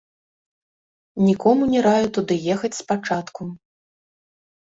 Нікому не раю туды ехаць спачатку.